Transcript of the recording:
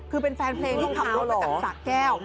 คือเป็นแฟนเพลงที่ผับรองเท้ากันสักแก้ว